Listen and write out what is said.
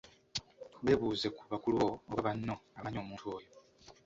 Weebuuze ku bakulu bo oba banno abamannyi omuntu oyo.